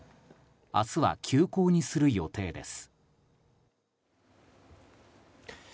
明日は休校にする予定です。